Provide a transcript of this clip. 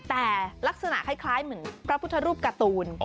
แต่ลักษณะคล้ายเหมือนพระพุทธรูปการ์ตูน